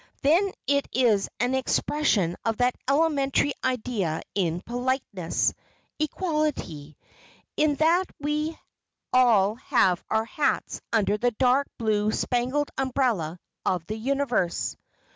Then it is an expression of that elementary idea in politeness—equality ... in that we all have our hats under the dark blue spangled umbrella of the universe."